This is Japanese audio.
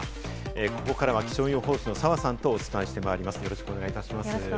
ここからは気象予報士の澤さんとお伝えしてまいります、よろしくお願いいたします。